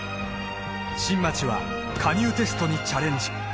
新町は加入テストにチャレンジ